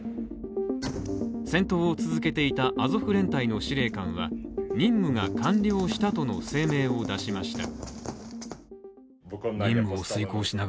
戦闘を続けていたアゾフ連隊の司令官は任務が完了したとの声明を出しました。